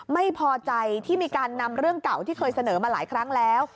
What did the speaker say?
ไม่พอใจที่มีการนำเรื่องเก่าที่เคยเสนอมาหลายครั้งแล้ว